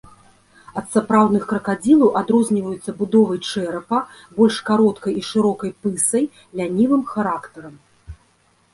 Ад сапраўдных кракадзілаў адрозніваюцца будовай чэрапа, больш кароткай і шырокай пысай, лянівым характарам.